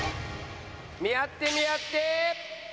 見合って見合って。